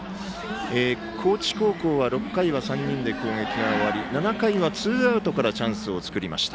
高知高校は６回は３人で攻撃が終わり７回はツーアウトからチャンスを作りました。